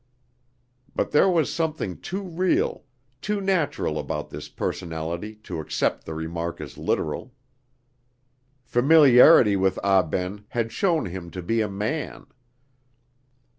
But there was something too real, too natural about this personality to accept the remark as literal. Familiarity with Ah Ben had shown him to be a man.